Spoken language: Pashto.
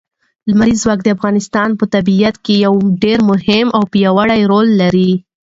لمریز ځواک د افغانستان په طبیعت کې یو ډېر مهم او پیاوړی رول لري.